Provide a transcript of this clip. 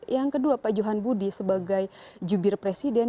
yang kedua pak johan budi sebagai jubir presiden